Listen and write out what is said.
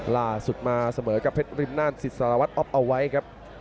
ล่าสุดมาเสมอกับเพชรริมน่านสิทสารวัตรอ๊อฟเอาไว้ครับ